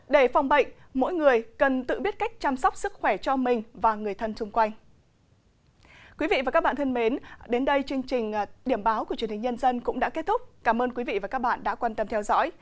để phòng bệnh mỗi người cần tự biết cách chăm sóc sức khỏe cho mình và người thân xung quanh